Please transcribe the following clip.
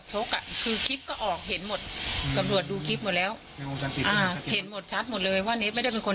จะมอบตัวเร็วนี้